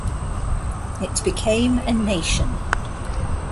It became a nation.